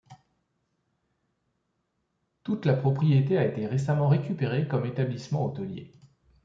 Toute la propriété a été récemment récupérée comme établissement hôtelier.